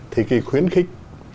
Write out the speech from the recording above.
thì cái khuyến khích